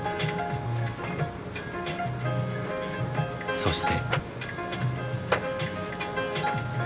そして。